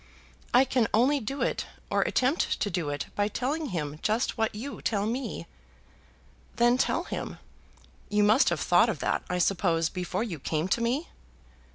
"I can only do it, or attempt to do it, by telling him just what you tell me." "Then tell him. You must have thought of that, I suppose, before you came to me."